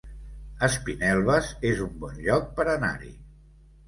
Espinelves es un bon lloc per anar-hi